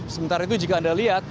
sementara itu jika anda lihat